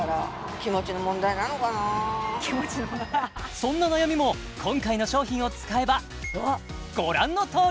そんな悩みも今回の商品を使えばご覧のとおり！